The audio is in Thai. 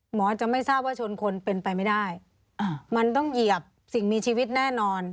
จะไม่ทราบว่าชนคนเป็นไปไม่ได้มันต้องเหยียบสิ่งมีชีวิตแน่นอน